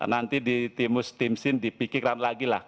nanti di timus timsin dipikiran lagi lah